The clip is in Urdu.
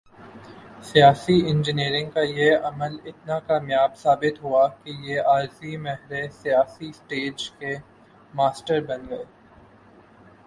سیاسی انجینئرنگ کا یہ عمل اتنا کامیاب ثابت ہوا کہ یہ عارضی مہرے سیاسی سٹیج کے ماسٹر بن گئے۔